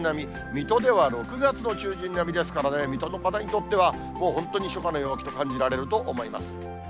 水戸では６月の中旬並みですからね、水戸の方にとっては、もう本当に初夏の陽気と感じられると思います。